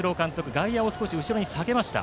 外野を少し下げました。